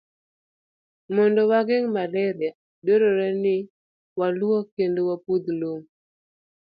Mondo wageng' malaria, dwarore ni walwok kendo wapudh lum.